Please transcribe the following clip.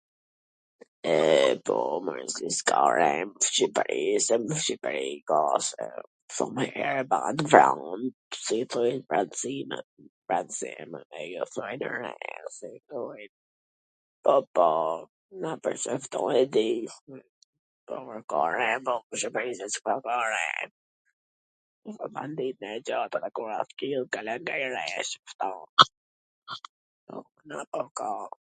E, po mor si s ka re ne Shqipri, se ne Shqipri ka shum re e t vramun, vransina, vransi.., po po, ka re ....